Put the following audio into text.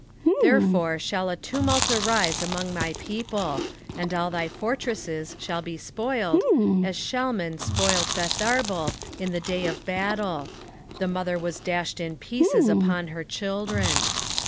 10:14 Therefore shall a tumult arise among thy people, and all thy fortresses shall be spoiled, as Shalman spoiled Betharbel in the day of battle: the mother was dashed in pieces upon her children.